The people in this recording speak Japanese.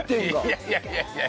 いやいやいやいや。